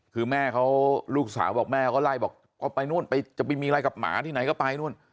คือแม่เขาลูกสาวบอกแม่เขาก็ไล่บอกก็ไปนู่นไปจะไปมีอะไรกับหมาที่ไหนก็ไปนู่น